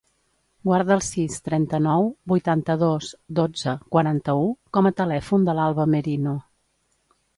Guarda el sis, trenta-nou, vuitanta-dos, dotze, quaranta-u com a telèfon de l'Alba Merino.